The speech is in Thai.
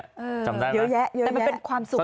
แต่มันเป็นความสุขนะ